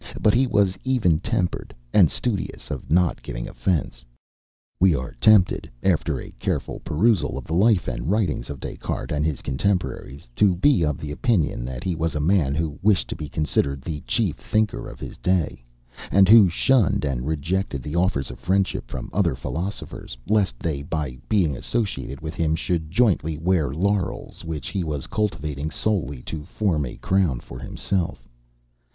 But he was even tempered, and studious of not giving offence." We are tempted, after a careful perusal of the life and writings of Des Cartes and his contemporaries, to be of opinion that he was a man who wished to be considered the chief thinker of his day, and who shunned and rejected the offers of friendship from other philosophers, lest they, by being associated with him, should jointly wear laurels which he was cultivating solely to form a crown for himself.